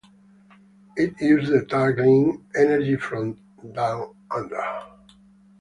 It used the tagline "Energy from Down Under".